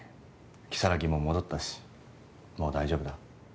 如月も戻ったしもう大丈夫だ。